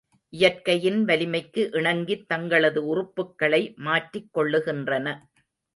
இயற்கையின் வலிமைக்கு இணங்கித் தங்களது உறுப்புக்களை மாற்றிக் கொள்ளுகின்றன.